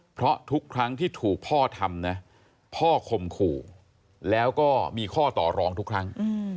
เพราะทุกครั้งที่ถูกพ่อทำนะพ่อข่มขู่แล้วก็มีข้อต่อรองทุกครั้ง